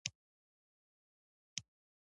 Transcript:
ژمی د افغانستان د اجتماعي جوړښت برخه ده.